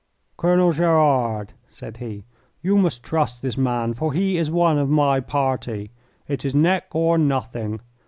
"Colonel Gerard," said he, "you must trust this man, for he is one of my party. It is neck or nothing.